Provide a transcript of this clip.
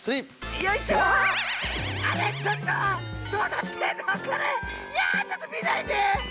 いやちょっとみないで！